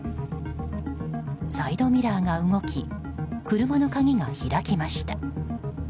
サイドミラーが動き車の鍵が開きました。